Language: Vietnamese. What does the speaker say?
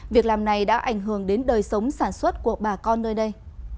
việc làm này đã ảnh hưởng đến đời sống sản xuất của bà con nơi đây